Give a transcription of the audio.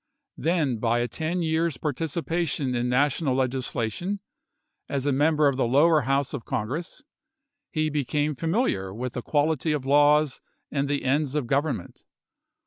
Then by a ten years' participation in National legislation as a member of the lower House of Congress, he became familiar with the quality of laws and the ends of government.